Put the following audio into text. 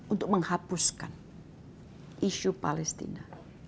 untuk menghapuskan isu palestina